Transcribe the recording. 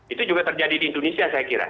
itu juga terjadi di indonesia saya kira